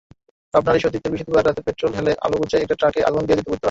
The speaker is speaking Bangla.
পাবনার ঈশ্বরদীতে বৃহস্পতিবার রাতে পেট্রল ঢেলে আলুবোঝাই একটি ট্রাকে আগুন দিয়েছে দুর্বৃত্তরা।